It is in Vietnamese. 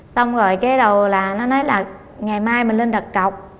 xong rồi cái đầu là nó nói là ngày mai mình lên đặt cọc